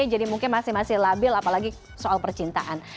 jadi mungkin masih masih labil apalagi soal percintaan